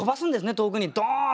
遠くにドーンと。